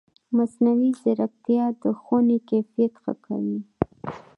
مصنوعي ځیرکتیا د ښوونې کیفیت ښه کوي.